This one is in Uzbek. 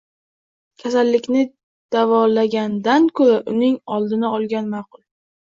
Kasallikni davolagandan ko‘ra uning oldini olgan ma’qul